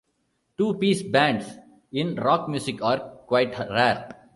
Two-piece bands in rock music are quite rare.